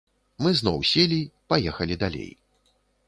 Мы зноў селі, паехалі далей.